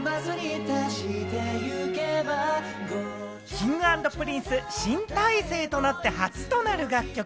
Ｋｉｎｇ＆Ｐｒｉｎｃｅ新体制となって初となる楽曲